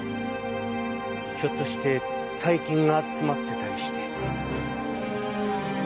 ひょっとして大金が詰まってたりして。